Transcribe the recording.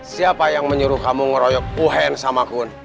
siapa yang menyuruh kamu meroyok uhen sama gun